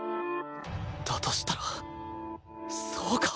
だとしたらそうか！